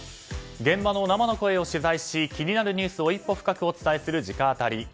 現場の名前の声を取材し気になるニュースを一歩深くお伝えする直アタリ。